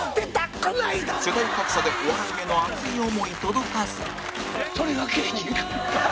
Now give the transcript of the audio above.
世代格差でお笑いへの熱い思い、届かずそれが芸人か。